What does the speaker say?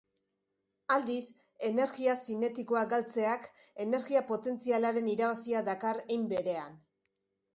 Aldiz, energia zinetikoa galtzeak energia potentzialaren irabazia dakar, hein berean.